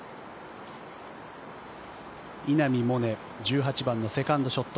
稲見萌寧１８番のセカンドショット